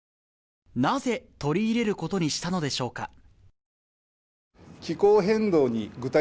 なぜ取り入れることにしたのでしょうか。